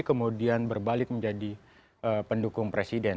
kemudian berbalik menjadi pendukung presiden